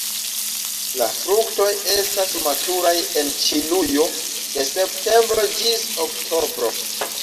La fruktoj estas maturaj en Ĉinujo de septembro ĝis oktobro.